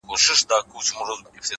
• زه مسافر پر لاره ځم سلګۍ وهمه,